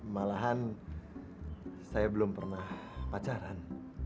malahan saya belum pernah pacaran